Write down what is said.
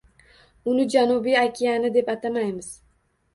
Uni Janubiy okeani deb atamaymiz